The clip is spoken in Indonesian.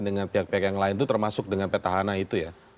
dengan pihak pihak yang lain itu termasuk dengan petahana itu ya